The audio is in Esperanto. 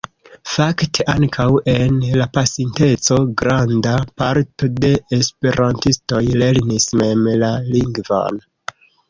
Fakte ankaŭ en la pasinteco granda parto de esperantistoj lernis mem la lingvon.